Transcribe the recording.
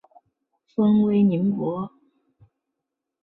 封威宁伯。